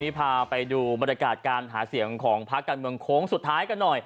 พาไปดูบรรยากาศการหาเสียงของพักการเมืองโค้งสุดท้ายกันหน่อย